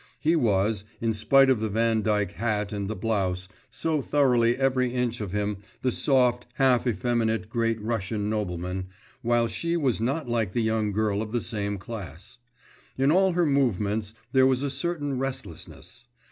He was, in spite of the Vandyck hat and the blouse, so thoroughly every inch of him the soft, half effeminate Great Russian nobleman, while she was not like the young girl of the same class. In all her movements there was a certain restlessness.